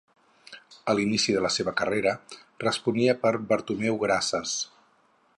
A l'inici de la seva carrera, responia per Bartomeu Grases.